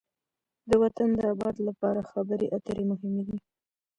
د وطن د آباد لپاره خبرې اترې مهمې دي.